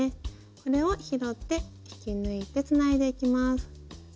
これを拾って引き抜いてつないでいきます。